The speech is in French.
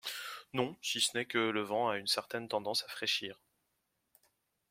Non, si ce n’est que le vent a une certaine tendance à fraîchir.